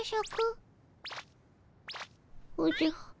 おじゃ。